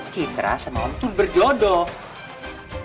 citra sama om tuh berjodoh